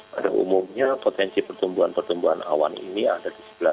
pada umumnya potensi pertumbuhan pertumbuhan awan ini ada di sebelas